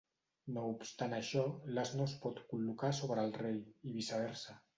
No obstant això, l'as no es pot col·locar sobre el rei, i viceversa.